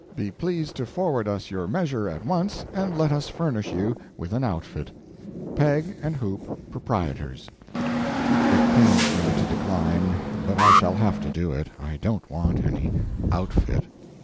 Be pleased to forward us your measure at once, and let us furnish you with an outfit. PEG & HOOP, Proprietors." It pains me to decline, but I shall have to do it. I don't want any "outfit."